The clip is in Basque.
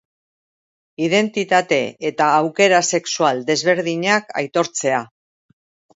Identitate eta aukera sexual desberdinak aitortzea.